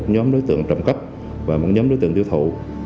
một nhóm đối tượng trọng cấp và một nhóm đối tượng tiêu thụ